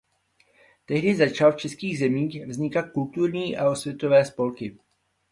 Tehdy začaly v českých zemích vznikat kulturní a osvětové spolky.